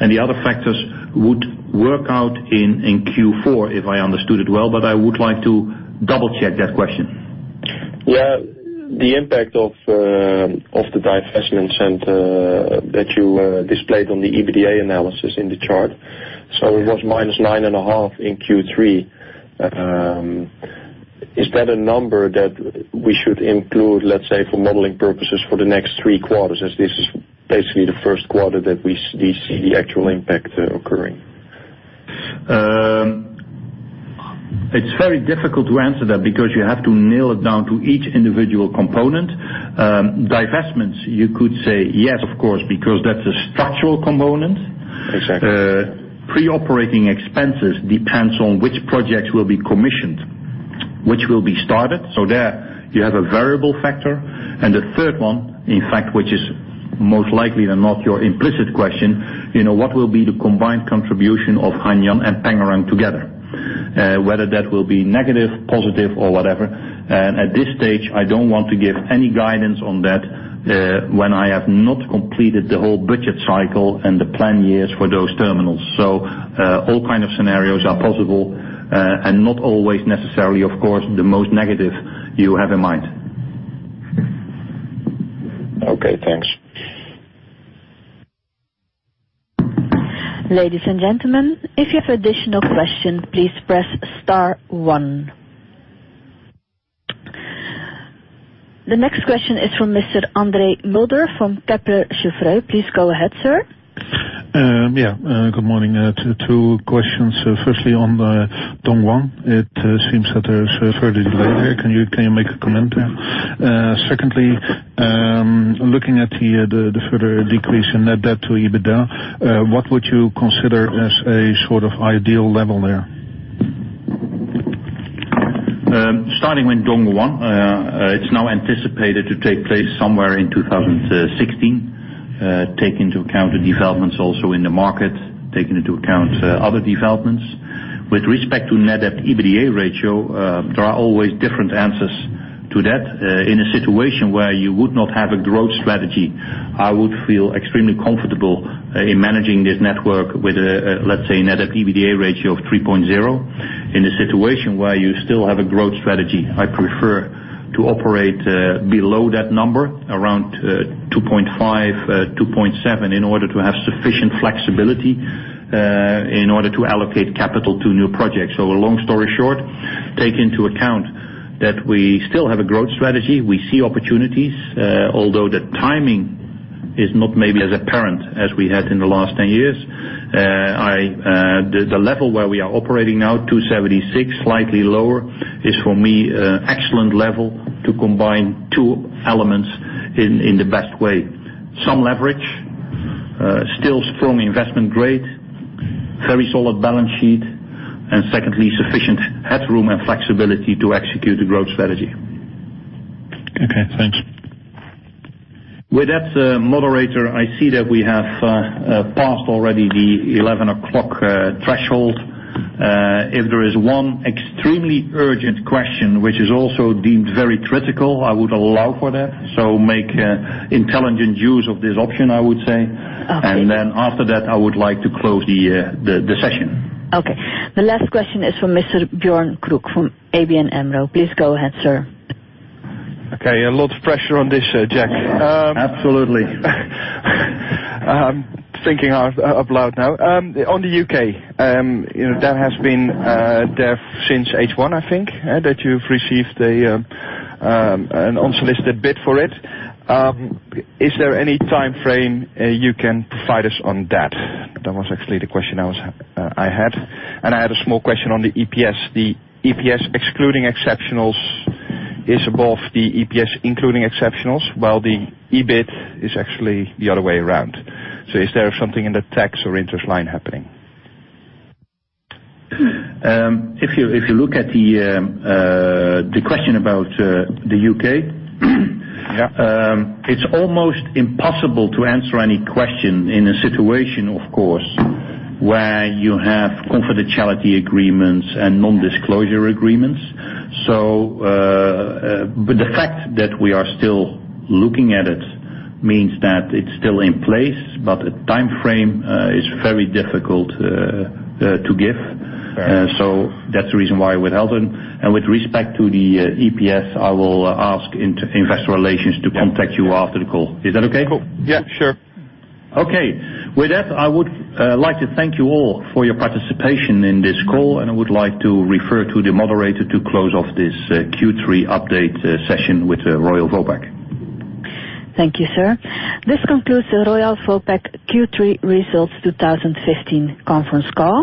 and the other factors would work out in Q4, if I understood it well, but I would like to double check that question. The impact of the divestments that you displayed on the EBITDA analysis in the chart. It was minus 9.5 in Q3. Is that a number that we should include, let's say, for modeling purposes for the next three quarters, as this is basically the first quarter that we see the actual impact occurring? It's very difficult to answer that because you have to nail it down to each individual component. Divestments, you could say yes, of course, because that's a structural component. Exactly. Pre-operating expenses depends on which projects will be commissioned, which will be started. There you have a variable factor. The third one, in fact, which is most likely than not your implicit question, what will be the combined contribution of Hainan and Pengerang together? Whether that will be negative, positive, or whatever. At this stage, I don't want to give any guidance on that when I have not completed the whole budget cycle and the plan years for those terminals. All kinds of scenarios are possible and not always necessarily, of course, the most negative you have in mind. Okay, thanks. Ladies and gentlemen, if you have additional question, please press star one. The next question is from Mr. Andre Mulder from Kepler Cheuvreux. Please go ahead, sir. Yeah. Good morning. Two questions. Firstly, on the Dongguan, it seems that there's a further delay there. Can you make a comment there? Secondly, looking at the further decrease in net debt to EBITDA, what would you consider as a sort of ideal level there? Starting with Dongguan. It's now anticipated to take place somewhere in 2016. Take into account the developments also in the market, taking into account other developments. With respect to net debt to EBITDA ratio, there are always different answers to that. In a situation where you would not have a growth strategy, I would feel extremely comfortable in managing this network with, let's say, a net debt to EBITDA ratio of 3.0. In a situation where you still have a growth strategy, I prefer to operate below that number, around 2.5, 2.7, in order to have sufficient flexibility in order to allocate capital to new projects. Long story short, take into account that we still have a growth strategy. We see opportunities, although the timing is not maybe as apparent as we had in the last 10 years. The level where we are operating now, 2.76, slightly lower, is for me excellent level to combine two elements in the best way. Some leverage, still strong investment grade, very solid balance sheet, and secondly, sufficient headroom and flexibility to execute the growth strategy. Okay, thanks. With that, Moderator, I see that we have passed already the 11 o'clock threshold. If there is one extremely urgent question, which is also deemed very critical, I would allow for that. Make intelligent use of this option, I would say. Okay. After that, I would like to close the session. Okay. The last question is from Mr. Björn Krook from ABN AMRO. Please go ahead, sir. Okay. A lot of pressure on this, Jack. Absolutely. Thinking out loud now. On the U.K., that has been there since H1, I think, that you've received an unsolicited bid for it. Is there any timeframe you can provide us on that? That was actually the question I had. I had a small question on the EPS. The EPS excluding exceptionals is above the EPS including exceptionals, while the EBIT is actually the other way around. Is there something in the tax or interest line happening? If you look at the question about the U.K. Yeah. It's almost impossible to answer any question in a situation, of course, where you have confidentiality agreements and non-disclosure agreements. The fact that we are still looking at it means that it's still in place, but a timeframe is very difficult to give. Fair enough. That's the reason why we're holding. With respect to the EPS, I will ask investor relations to contact you after the call. Is that okay? Cool. Yeah, sure. Okay. With that, I would like to thank you all for your participation in this call. I would like to refer to the moderator to close off this Q3 update session with Royal Vopak. Thank you, sir. This concludes the Royal Vopak Q3 Results 2015 conference call.